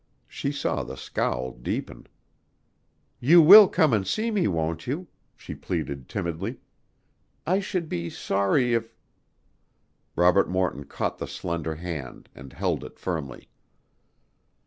She saw the scowl deepen. "You will come and see me, won't you?" she pleaded timidly. "I should be sorry if " Robert Morton caught the slender hand and held it firmly.